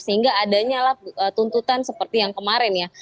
sehingga adanya lah tuntutan seperti yang kemarin ya